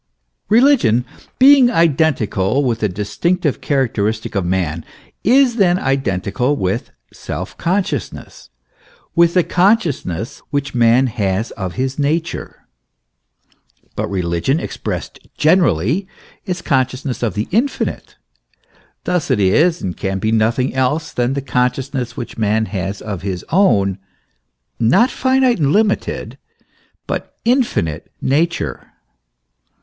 Religion being identical with the distinctive characteristic of man, is then identical with self consciousness with the con sciousness which man has of his nature. But religion, ex pressed generally, is consciousness of the infinite ; thus it is and can be nothing else than the consciousness which man has of his own not finite and limited, but infinite nature.